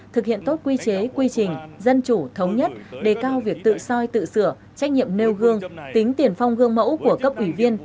thực hiện tốt quy chế quy trình dân chủ thống nhất đề cao việc tự soi tự sửa trách nhiệm nêu gương tính tiền phong gương mẫu của cấp ủy viên